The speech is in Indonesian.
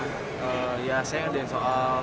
soal ya saya ngerjain soal